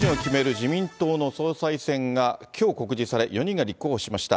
自民党の総裁選がきょう告示され、４人が立候補しました。